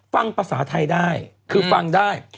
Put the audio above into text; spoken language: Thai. ฟังภาษาไทยได้คือฟังได้